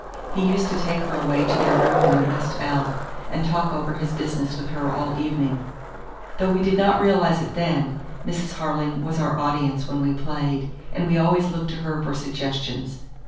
He used to take her away to their room in the west ell, and talk over his business with her all evening. Though we did not realize it then, Mrs. Harling was our audience when we played, and we always looked to her for suggestions.